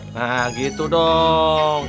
nah gitu dong